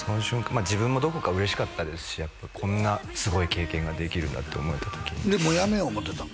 まあ自分もどこか嬉しかったですしやっぱこんなすごい経験ができるんだって思えた時でもうやめよう思うてたん？